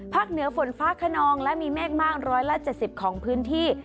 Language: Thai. เหนือฝนฟ้าขนองและมีเมฆมาก๑๗๐ของพื้นที่